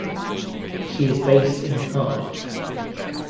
She is based in Cardiff.